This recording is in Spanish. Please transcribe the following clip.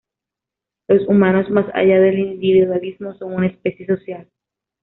Los humanos, más allá del individualismo, son una especie social.